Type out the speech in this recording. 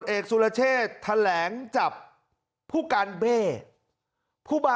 ขตแอร์สุรเชษแทะล็งจับผู้การไเป้